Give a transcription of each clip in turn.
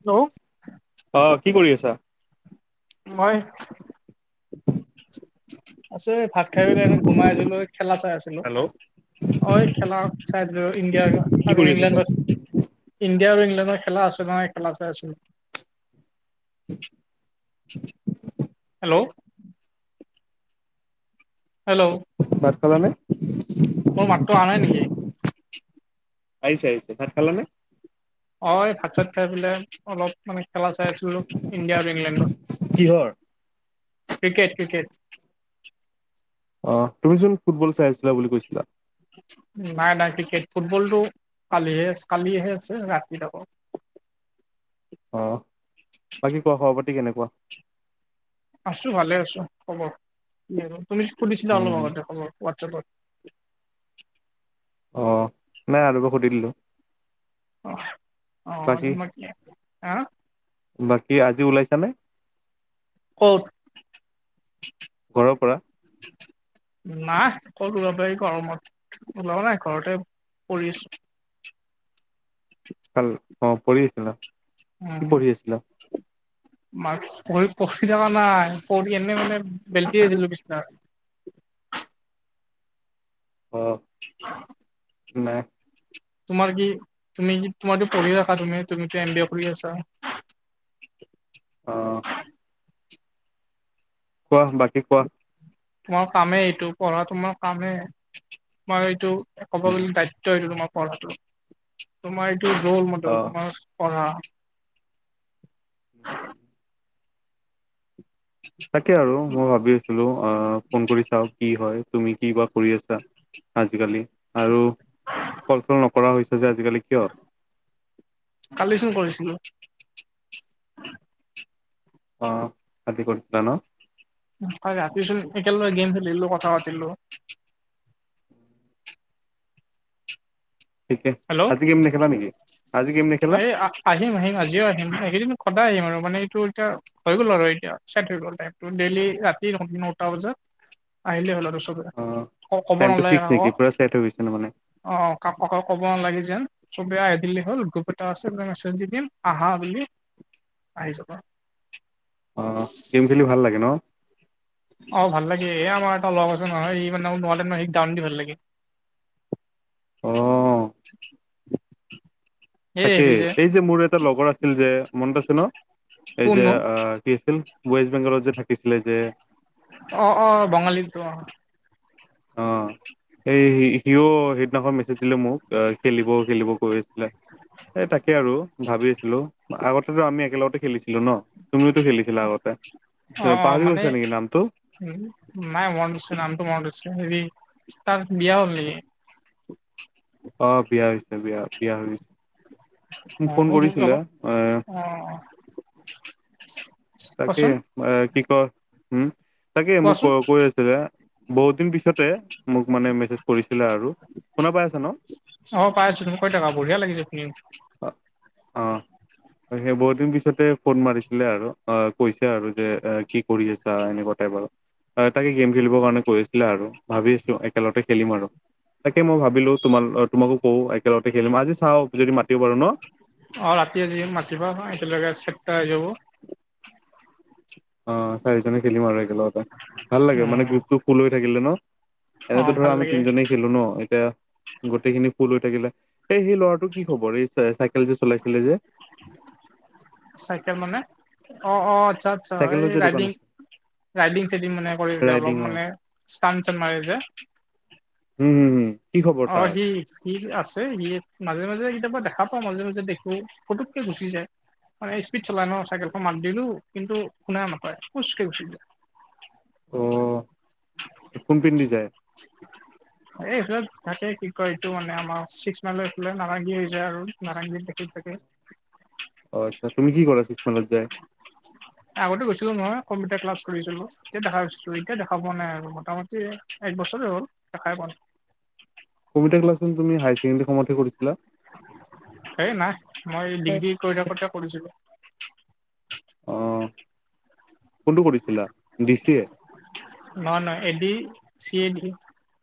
Hello, অ কি কৰি আছা। মই, [unintelligible] আছে ভাত খাই পাই এনে ঘোমাই আহিছিলোঁ খেলা চাই আছিলোঁ। অ খেলা চাই ইণ্ডিয়াৰ কি আৰু কৰি আছা ইংলেণ্ডৰ, ইণ্ডিয়া আৰু ইংলেণ্ডৰ খেলা আছে নহয় খেলা চাই আছো। [unintelligible] হেল্ল', হেল্ল', ভাত খালা নে। মোৰ মাতো অহা‌ নাই নেকি। আহিছে আহিছে ভাত খালা নে। অ এই ভাত চাত খাই পেলাই অলপ মানে খেলা চাই আছিলো ইণ্ডিয়াৰ ইংলেণ্ড কিহৰ? ক্ৰিকেট ক্ৰিকেট, অ তুমি চোন ফুটবল চাই আছিলা বুলি কৈছিলা। নাই নাই ক্ৰিকেট ফুটবলতটো কালিহে আ কালিহে আছে ৰাতি আকৌ, অঁ বাকী কোৱা খবৰ পাতি কেনেকুৱা। আছো ভালে আছো হব তুমি সুধছিলা অলপ উম আগতে খব হোৱাটছাএপত, অ নাই আৰু সুধি দিলো। অ অ বাকী তোমাত কৰে হা, বাকী আজি ওলাইছা নে। ক'ত, [inaudible] নাই কত ওলাব পাৰি গৰমত ওলাও নাই ঘৰতে পৰি আছো। [unintelligible] উ কি পঢ়ি আছিলা? মাক পঢ়ি পঢ়ি থকা নাই পঢ়ি এনে মানে, বেলতি দিলা বিছনা, অ [unintelligible] নাই। তোমাৰ কি তুমি কি [unintelligible] কৰি আছা। অ কোৱা বাকী কোৱা। তোমাৰ কামেই এইটো পঢ়া তোমাৰ কামেই তোমাৰ এইটো ক'ব উম গলে দায়িত্ব এইটো তোমাৰ। তোমাৰ এইটো ৰোল অ মডেল তোমাৰ, পঢ়া, তাকে আৰু মই ভাবি আছিলোঁ অ ফোন কৰি চাওঁ কি হয়। তুমি কি বা কৰি আছা আজিকালি। আৰু কল চল নকৰা হৈছে যে আজিকালি কিয়। কালিছোন কৰিছিলোঁ। অ কালি কৰিছিলা ন, হয় ৰাতিচোন একেলগে গেম খেলিলো কথা পাতিলোঁ। ঠিকে হেল্ল, আজি গেম নেখেলা নেকি আজি গেম নেখেলা এই আ, আহিম আহিম আজিও আহিম এইকেইদিন সদায় আহিম আৰু মানে এইটো এতিয়া। হৈ গ'ল আৰু এতিয়া চে'ট হৈ গ'ল টাইমটো ডেইলী ৰাতি নটা বজাত আহিলে হ'ল! আৰু চবে অ ক'ব টাইমটো নালাগে ফিক্স কাকো নিকি পুৰা চে'ট হৈ গৈছে! ন মানে অ', কাক ককক ক'ব নালাগে যেন চবে আহি দিলে হ'ল! গোপ এটা আছে! মই মেছেজ দি দিম! আহা বুলি আহি চাবা অ', গেম খেলি ভাল লাগে! ন অ', ভাল লাগে! এই আমাৰ এটা লগ আছে নহয় ই মানে নদেন গান দি ভাল লাগে! অ' [unintelligible] তাকেই এই যে মোৰ এটা লগৰ আছিল যে মনত আছে ন এই যে কোননো অ কি আছিল! ৱেষ্ট বেংগলত যে থাকিছিলে যে অ', অ' বঙালীতো অ' অ', এই সিওঁ সেইদিনাখন মেছেজ দিলে মোক এ খেলিব, খেলিব কৈ আছিলে! এ তাকে আৰু ভাবি আছিলোঁ! আগত কিন্তু আমি একেলগতে খেলিছিলোঁ ন তুমিওটো খেলিছিলা আগতে পাহৰি গৈছা নিকি নামটো উম নাই মনত আছে! নামটো মনত আছে! হেৰি তাৰ বিয়া হ'ল নিকি অ', বিয়া হৈছে! বিয়া, বিয়া হৈছ অ', মই [unintelligible] অলপ এ অ অ' তাকে কোৱাচোন এ কি কয় উম তাকে মোক কোৱাচোন কৈ, কৈ আছিলে! বহুত দিন পিছতে মোক মানে মেছেজ কৰিছিলে! আৰু শুনা পাই আছা ন অ', পাই আছোঁ! তুমি কৈ থাকা! বঢ়িয়া লাগিছে! শুনি অ অ', সেই বহুদিন পিছতে ফ'ন মাৰিছিলে আৰু অ', কৈছে আৰু যে এ কি কৰি আছা এনেকুৱা টাইপ আৰু এ তাকে গেম খেলিবৰ কাৰণে কৈ আছ' বলা আৰু ভাবি আছোঁ! একেলগে খেলিম আৰু তাকে মই ভাবিলোঁ! তোমাৰ তোমাকো কওঁ একেলগতে খেলিম আজি চাওঁ যদি মাতিব পাৰো ন অ', ৰাতি আজি মাতিবা! একেলগে চেপটা আহি যাব! অ', চাৰিজনে খেলিম আৰু একেলগতে ভাল লাগে মানে উম, গ্ৰুপটো ফুল হৈ থাকিলে ন এনেতো অ', ভাল ধৰা আমি লাগে তিনজনেই খেলোঁ! ন এতিয়া গোটেইখিনি ফুল হৈ থাকিলে এই সেই ল'ৰাটো কি খবৰ এই চে চাই চাইকেল যে চলাইছিলে যে চাইকেল মানে অ', অ' আচ্ছা, আচ্ছা এই চাইকেলৰ যে দোকান ৰাইডিং আছে ৰাইডিং চাইডিং মানে কৰে যে অলপ ৰাইডিঙৰ মানে ষ্টান চান মাৰে যে উম, উম, উম অ', সি সি আছে! সি মাজে, মাজে কেতিয়াবা দেখা পাওঁ! মাজে, মাজে দেখো পুটুককে গুচি যায়! মানে স্পীড চলাই ন চাইকেলখন মাত দিলোঁ! কিন্তু শুনা নাপায়! ফোচকে গুচি যায়! অ', কোনপিনদি যায়! এ এইফালে থাকে! কি কয় এইটো মানে আমাৰ ছিক্স মাইলৰ এইফালে নাৰেঙ্গী হৈ যায়! আৰু নাৰেঙ্গীত দেখি থাকে! [inaudible] অ', আচ্ছা তুমি কি কৰা ছিস্ক মাইলত যাই [inaudible] আগতে গৈছিলোঁ নহয় কম্পিউটাৰ ক্লাছ কৰিছিলোঁ! তেতিয়া দেখা পাইছোঁ! এতিয়া দেখা পোৱা নাই আৰু মোটামুটি এক বছৰে হ'ল! দেখাই পোৱা নাই! কম্পিউটাৰ ক্লাছচোন তুমি হায়াৰ ছেকেণ্ডাৰী সময়তহে কৰিছিলা? সেই নাই মই ডিগ্ৰী কৰি থাকোঁতে কৰিছিলোঁ। অ', কোনটো কৰিছিলা ডি চি এ? নহয় নহয় এ দি চি এ দি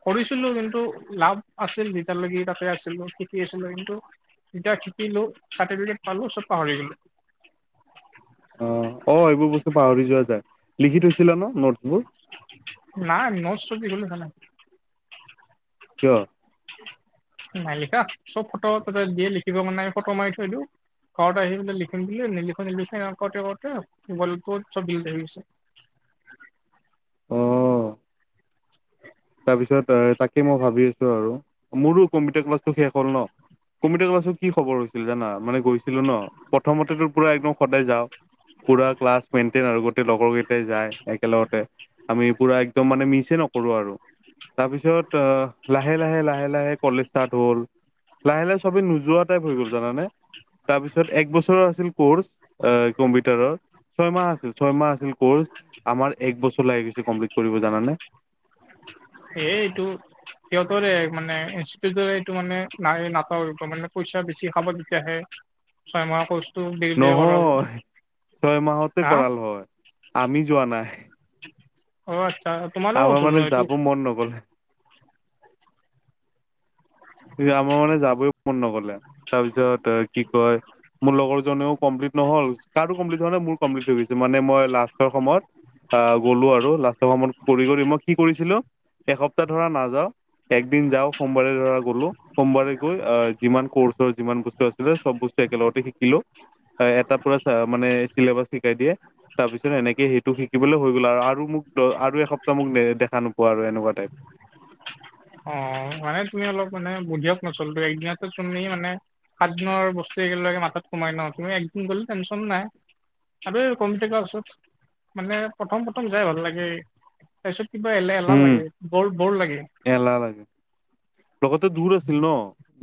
কৰিছিলো কিন্তু লাভ আছিল যেতিয়ালৈকে তাতে আছিলো, শিকি আছিলো কিন্তু যেতিয়া শিকিলো চাৰ্টিফিকেট পালো, চব পাহৰি গলো। অ অ' এইবোৰ বস্তু পাহৰি যোৱা যায়। লিখি থৈছিলা নোট? নাই, নোট চোট একো লিখা নাই। কিয়? নাই লিখা, চব ফটো তাতে দিয়ে লিখিব মানে ফটো মাৰি থৈ দিওঁ। ঘৰত আহি লিখিম বুলি নিলিখি নিলিখি হেনেকে কৰোঁতে কৰোঁতে মোবাইলটো চব দিলেত হৈ গৈছে। অ'। [inaudible] তাৰপিছত তাকে মই ভাবি আছো আৰু মোৰো কম্পিউটাৰ ক্লাছ টো শেষ হ'ল ন' কম্পিউটাৰ ক্লাছো কি খবৰ হৈছিল জানা মানে গৈছিলো ন' প্ৰথমতে তো পুৰা একদম সদায় যাওঁ, পুৰা ক্লাছ মেইনটেইন আৰু গোটেই লগৰ কেইটাই যায় একেলগতে আমি পুৰা একদম মানে মিচে নকৰোঁ আৰু। তাৰপিছত লাহে লাহে লাহে লাহে কলেজ ষ্টাৰ্ট হ'ল। লাহে লাহে চবেই নোযোৱা টাইপ হৈ গ'ল জানানে। তাৰপিছত এক বছৰৰ আছিল কোৰ্চ এ কম্পিউটাৰৰ। ছয় মাহ আছিল ছয় মাহ আছিল কোৰ্চ আমাৰ এক বছৰ লাগি গৈছে কমপ্লিট কৰিব জানানে? এ এইটো সিহঁতৰে মানে ইনষ্টিটিউটৰ এইটো মানে না নাটক মানে পইচা বেছি খাব তেতিয়াহে, ছয় মাহৰ কোৰ্চ নহয়, ছয় মাহতে হা কৰাল হয়, আমি যোৱা নাই। অ' আচ্ছা, তোমালোকৰ আমাৰ ভুল মানে ন' এইটো? যাব মন নগলে। আমাৰ মানে যাবই মন নগলে, তাৰপিছত কি কয় মোৰ লগৰজনেও কমপ্লিট নহল, কাৰো কমপ্লিট হোৱা নাই, মোৰ কমপ্লিট হৈ গৈছে, মানে মই লাষ্টৰ সময়ত আহ গ'লো আৰু লাষ্টৰ সমত কৰি কৰি মই কি কৰিছিলো এসপ্তাহ ধৰা নাযাওঁ একদিন যাওঁ সোমবাৰে ধৰা গলো সোমবাৰে গৈ আহ, যিমান কৰ্চৰ যিমান বস্তু আছিলে চব বস্তু একেলগতে শিকিলো। এটা পুৰা মানে চেলেবাছ শিকাই দিয়ে। তাৰপিছত এনেকে সেইটো শিকিবলে হৈ গ'ল আৰু মোক ত' আৰু এসপ্তাহ মোক দেখা নোপোৱা আৰু এনেকুৱা টাইপ। অঁ মানে তুমি অলপ মানে বুধিয়ক ন সেইটোয়ে একদিনতে তুমি মানে সাতদিনৰ বস্তু একেলগে মাথাত সোমাই ন তুমি এদিন গ'লে টেনচন নাই। আৰু কম্পিউটাৰ ক্লাছত মানে প্ৰথম প্ৰথম যাই ভাল লাগে। তাৰ পিছত কিবা এলে এলাহ উম লাগে বৰ বৰ লাগে। এলাহ লাগে, লগতে দূৰ আছিল ন'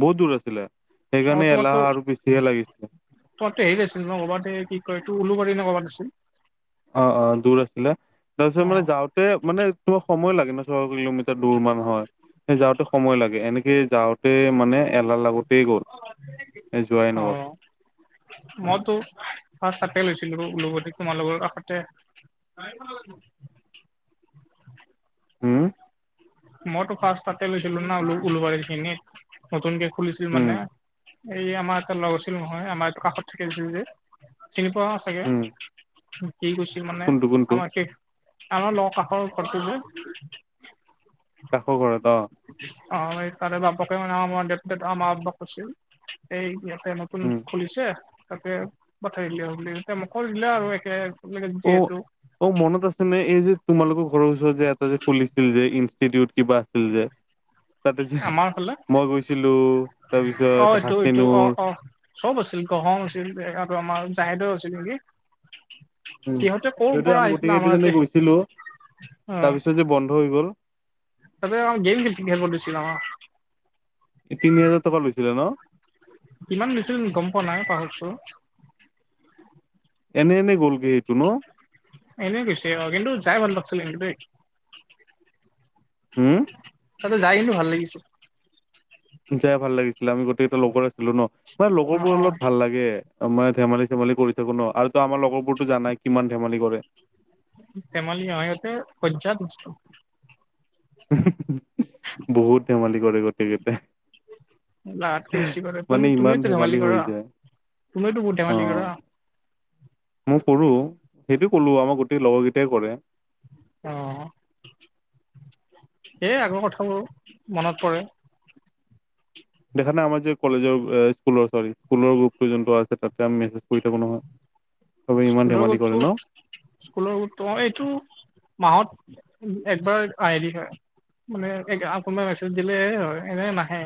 বহুত দূৰ আছিলে। সেইকাৰণে এলাহ আৰু বেছিহে লাগিছিলে। তহঁতে হেৰিত আছিল ন' ক'বাত কি কয় এইটো উলুবাৰী নে' ক'ৰবাত আছিল? অঁ অঁ' দূৰ আছিলে, তাৰপিছত মানে যাওঁ তে মানে তোমাৰ সময় লাগে ন' ছয় কিলোমিটাৰ দূৰ মান হয়। সেই যাওঁতে সময় লাগে এনেকে যাওঁতে মানে এলাহ লাগ অ। মইতো ফাৰ্ষ্ট তাতে লৈছিলো উলুবাৰী তোমালোকৰ কাষতে। [inaudible] হুম? মইতো ফাৰ্ষ্ট তাতে লৈছিলো না উলুবাৰী নতুনকে খুলিছিল উম মানে, এই আমাৰ এটাৰ লগ হৈছিল নহয় আমাৰটো কাষত থাকি আছিল যে, চিনি পোৱা চাগে? উম সি গৈছিল মানে কোনটো কোনটো আমাৰ শেষ আমাৰ লগ কাষৰ ঘৰটো যে কাষৰ ঘৰত অ'। অ এই তাৰে বাপকে মানে [unintelligible] কৈছিল এই ইয়াতে মোক উম [unintelligible] [unintelligible] অ যিহেতু অ মনত আছে নে, এই যে তোমালোকৰ ঘৰৰ ওচৰত যে এটা যে খুলিছিল যে [unintelligible] কিবা আছিল যে। তাতে যি আমাৰ ফালে মই গৈছিলো অ তাৰপিছত এইটো এইটো অ হাচনুৰ অ চব আছিল [unintelligible] আছিল আৰু আমাৰ জাহেদেও আছিল নেকি? উ ক'ৰ সিহঁতে পৰা আমি আহিছিলে গোটেই আমাৰ কেই জনে ইয়াতে গৈছিলো অ তাৰপিছত যে বন্ধ হৈ গ'ল। [unintelligible] তিনি হাজাৰ টকা লৈছিলে ন। [unintelligible] গম পোৱা নাই পাহুৰছো। এনে এনে গ'লগৈ। এনে গৈছে কিন্তু যাই ভাল লাগিছিল কিন্তু দেই। হম। তাতে যাই কিন্তু ভাল লাগিছে। যাই ভাল লাগিছিলে, আমি গোটেইকটা লগৰ আছিলো ন, মানে অ লগৰবোৰ অ অলত ভাল লাগে। মানে ধেমালি-চেমালি কৰি থাকো ন আৰু তো আমাৰ লগৰবোৰতো জানাই কিমান ধেমালি কৰে। ধেমালি আয়তে বৈজাত মস্তো। উহুম বহুত ধেমালি কৰে গোটেইকেইটা। লগেতকে বেছি কৰে, তুমি ইমান তুমি ধেমালি ধেমালী হৈ কৰা। যায় তুমিওতো বহুত ধেমালী অ কৰা। মই কৰো, সেইটো ক'লো আমাৰ গোটেই লগৰ কেইটাই কৰে। অ সেই আগৰ কথাবোৰ মনত পৰে। দেখা নাই আমাৰ যে কলেজৰ স্কুলৰ ছোৱালী, স্কুলৰ গ্ৰুপ পৈযন্ত আছে তাতে আমি মেজ স্কুলৰ কৰে [unintelligible] ন স্কুলৰ গ্ৰুপটো এইটো মাহত একবাৰ আহিলি হয়। মানে আপোনাৰ মেছেজ দিলে হয় এনে নাহে।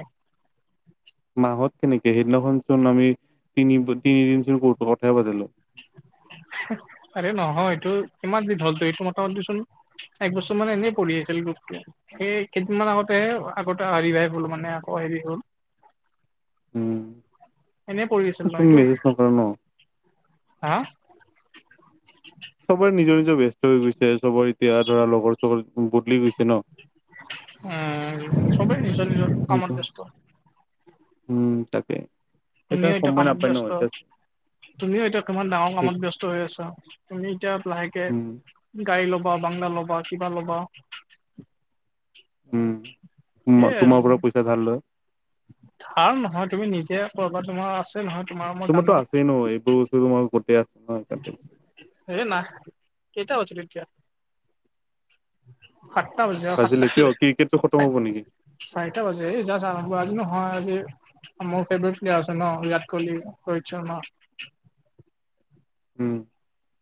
মাহত কেনেকে সেইদিনাখন চোন আমি তিনি তিনিদিন চন কথাই পাতিলো। [inaudible] আৰে নহয় এইটো কিমান দিন হ'ল এইটো মোতামোতিচোন এক বছৰ মান এনেই পঢ়ি আছিল গ্ৰুপটো। এই কেইদিনমান আগতে, আগতে হেৰি ভাই হ'ল মানে আকৌ হেৰি হ'ল। উম। এনেই পৰি আছিল নহ তুমি এইটো? মেছেজ নকৰা ন হা? চবৰে নিজৰ নিজৰ ব্যস্ত হৈ গৈছে, চবৰে এতিয়া ধৰা লগৰ-চগৰ বদলি গৈছে ন। উম সবেই নিজৰ নিজৰ কামত ব্যস্ত। উম তাকে এই একদম তুমিও এতিয়া সময় কামত নাপাই ন ব্যস্ত তুমিও এতিয়া কিমান ডাঙৰ ঠিক কামত ব্যস্ত হৈ আছা তুমি এতিয়া লাহেকে উম গাড়ী লগ ক' বাংলা ল'বা কিবা ল'বা উম সেয়াই আৰু তোমাৰ পৰা পইচা ধাৰ লয় ধাৰ নহয় তুমি নিজে কৰ'বাত তোমাৰ আছে নহয় তোমাৰ মই তুমাৰ তো জানো আছেই নো এইবোৰ [unintelligible] আছে হেই না কেইটিয়া [unintelligible] এতিয়া সাতটা বজি আহ ভাজিলে কিয় ক্ৰিকেটটো খতম সাতটা হ'ব ব নেকি চাৰিটা বাজি [unintelligible] আজি নহয় আজি মোৰ ফেভৰেট [unintelligible] আছে ন বিৰাট কোহলি ৰোহিত শৰ্মা উম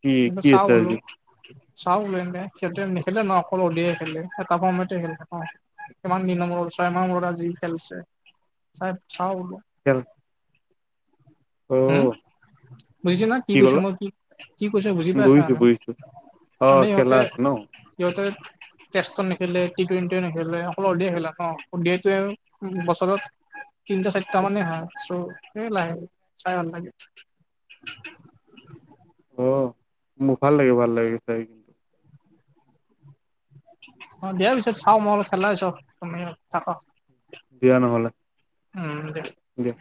কি কি আছে আজি [unintelligible] কিমান দিনৰ মূৰত ছয় মা মূৰত আজি খেল হৈছে চাওঁ বোলো তেল উম বুজিছো ন কি কৈছো মই কি কি কৈছো বুজি পাইছা বহিছো ন বহিছো অ খেলা আছে ন সিহঁতে টেষ্টতন নেখেলে টি টুৱেণ্টি নেখেলে অকল অধিয়া খেলা ন অধিয়টোৱে বছৰত তিনটা চাৰিটা মানে হয় চ' স লাহে চাই ভাল লাগে অ মোৰ ভাল লাগে ভাল লাগে চাই কি অ দিয়া পিছে চাও মই অল খেলাছো তুমি থাক দিয়া নহ'লে উম দিয়া